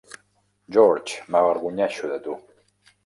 George, m'avergonyeixo de tu!